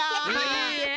いいえ！